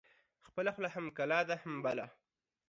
خپله خوله هم کلا ده هم بلا.